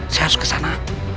saya harus kesana